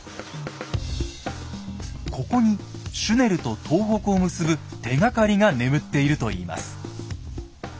ここにシュネルと東北を結ぶ手がかりが眠っているといいます。